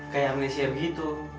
kayak amnesia begitu